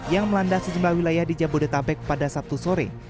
yang melanda sejumlah wilayah di jabodetabek pada sabtu sore